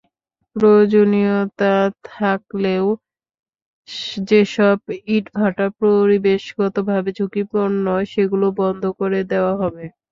প্রয়োজনীয়তা থাকলেও যেসব ইটভাটা পরিবেশগতভাবে ঝুঁকিপূর্ণ, সেগুলো বন্ধ করে দেওয়া হবে।